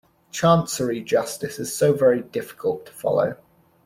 Chancery justice is so very difficult to follow.